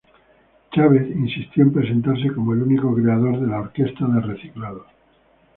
Chávez insistió en presentarse como el único creador de la orquesta de reciclados.